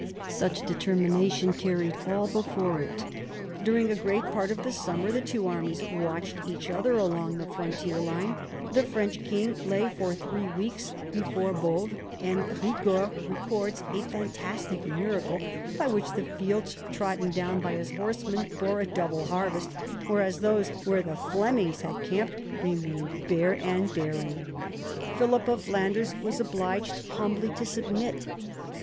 Such determination carried all before it. During a great part of the summer the two armies watched each other along the frontier line. The French king lay for three weeks before Boves, and Eigord records a fantastic miracle, by which the fields trodden down by his horsemen bore a double harvest, whereas those where the Flemings had camped remained bare and ii THE BEGINNINGS OF PHILIPS POWER 37 barren. Philip of Flanders was obliged humbly to submit.